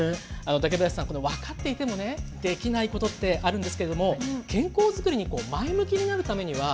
竹林さんこの分かっていてもねできないことってあるんですけれども健康づくりに前向きになるためにはどうすればいいでしょうか？